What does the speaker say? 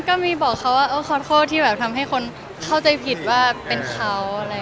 ก็มีบอกเขาว่าเออขอโทษที่แบบทำให้คนเข้าใจผิดว่าเป็นเขา